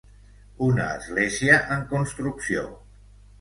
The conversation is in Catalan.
Una església en construcció